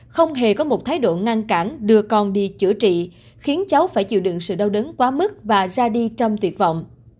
không hề có một thái độ ngăn cản đưa con đi chữa trị khiến cháu phải chịu đựng sự đau đớn quá mức và ra đi trong tuyệt vọng